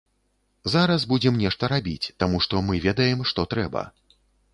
Зараз будзем нешта рабіць, таму што мы ведаем, што трэба.